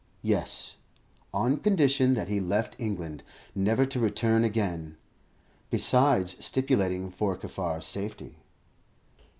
Yes; on condition that he left England, never to return again, besides stipulating for Kaffar's safety.